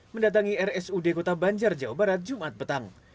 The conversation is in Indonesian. mendatangi rsud kota banjar jawa barat jumat petang